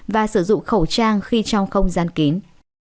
và sử dụng khẩu trang khi trong không gian kín